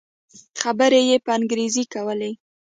خبرې يې په انګريزي کولې.